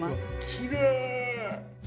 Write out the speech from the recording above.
きれい！